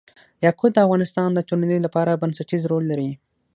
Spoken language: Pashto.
یاقوت د افغانستان د ټولنې لپاره بنسټيز رول لري.